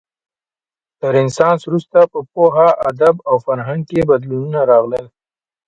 له رنسانس وروسته په پوهه، ادب او فرهنګ کې بدلونونه راغلل.